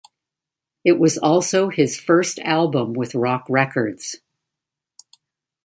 It was also his first album with Rock Records.